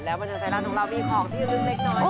แล้วมาจนใจร้านของเรามีของที่ลึกเล็กน้อยค่ะ